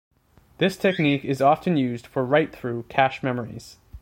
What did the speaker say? This technique is often used for write-through cache memories.